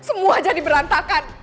semua jadi berantakan